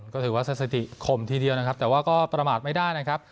ก็ถือว่าสถิติข่มทีเดียวนะครับแต่ว่าก็ประมาทไม่ได้นะครับ